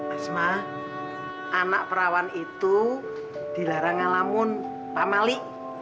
asma anak perawan itu dilarang ngalamun pak mali